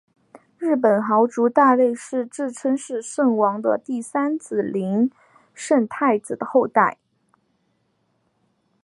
日本豪族大内氏自称是圣王的第三子琳圣太子的后代。